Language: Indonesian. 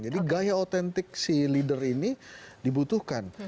jadi gaya otentik si leader ini dibutuhkan